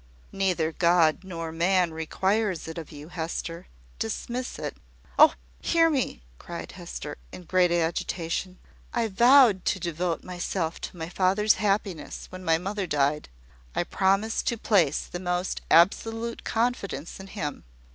"Neither God nor man requires it of you, Hester. Dismiss it ." "Oh, hear me!" cried Hester, in great agitation. "I vowed to devote myself to my father's happiness, when my mother died; I promised to place the most absolute confidence in him.